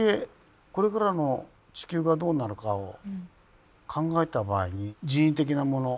これからの地球がどうなるかを考えた場合に人為的なもの